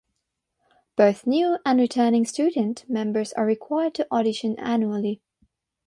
Both new and returning student members are required to audition annually.